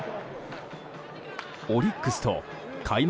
オリックスと開幕